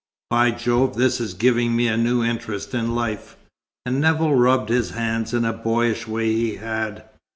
By Jove, this is giving me a new interest in life!" And Nevill rubbed his hands in a boyish way he had.